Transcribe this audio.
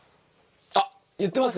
あっいってますね。